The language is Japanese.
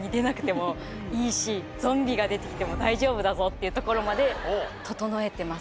これでもう。っていうところまで整えてます。